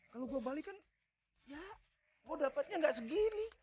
kalau gue balik kan ya gue dapatnya nggak segini